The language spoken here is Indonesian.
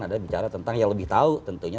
adalah bicara tentang yang lebih tahu tentunya